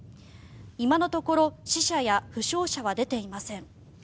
今のところ死者や負傷者は出ていません。